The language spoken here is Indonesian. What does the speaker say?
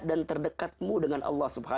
dan terdekatmu dengan allah